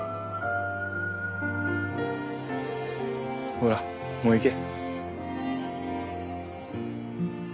ほらもう行け。